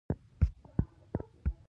دوی د ونو له منځه ماتې تېږې را اخیستې.